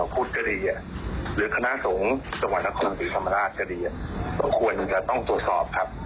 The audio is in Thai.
ควรก็จะต้องตรวจสอบครับ